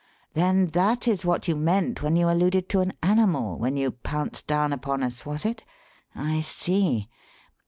then that is what you meant when you alluded to an 'animal' when you pounced down upon us, was it? I see.